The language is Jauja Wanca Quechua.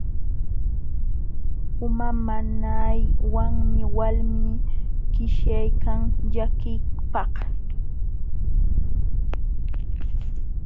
Uma nanaywanmi walmii qishyaykan llakiypaq.